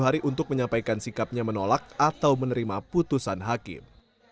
dua hari untuk menyampaikan sikapnya menolak atau menerima putusan hakim